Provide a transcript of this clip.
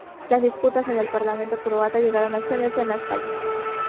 Las disputas en el parlamento croata llegaron a extenderse a las calles.